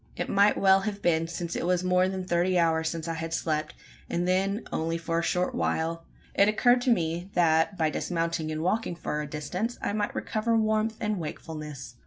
It might well have been since it was more than thirty hours since I had slept, and then only for a short while. It occurred to me that, by dismounting and walking for a distance, I might recover warmth and wakefulness.